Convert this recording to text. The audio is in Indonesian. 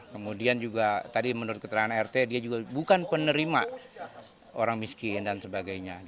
kemudian juga tadi menurut keterangan rt dia juga bukan penerima orang miskin dan sebagainya